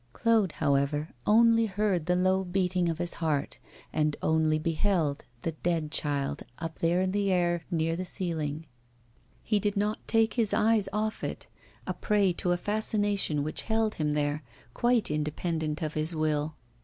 Claude, however, only heard the low beating of his heart, and only beheld the 'Dead Child' up there in the air, near the ceiling. He did not take his eyes off it, a prey to a fascination which held him there, quite independent of his will.